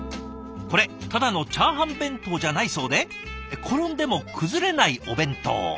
これただのチャーハン弁当じゃないそうで「転んでも崩れないお弁当」。